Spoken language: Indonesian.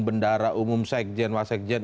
bendara umum sekjen wasekjen